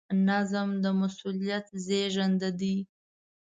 نظم د مسؤلیت زېږنده دی.